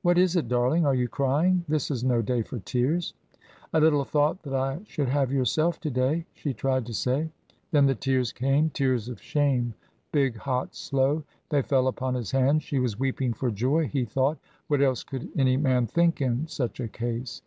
"What is it, darling? Are you crying? This is no day for tears." "I little thought that I should have yourself to day," she tried to say. Then the tears came, tears of shame, big, hot, slow. They fell upon his hand. She was weeping for joy, he thought. What else could any man think in such a case?